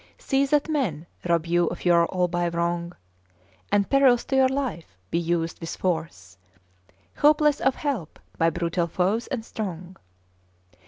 See that men rob you of your all by wrong; Add perils to your life; be used with force, Hopeless of help, by brutal foes and strong.